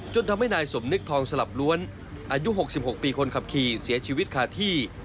ทำให้นายสมนึกทองสลับล้วนอายุ๖๖ปีคนขับขี่เสียชีวิตคาที่